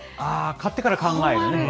買ってから考える？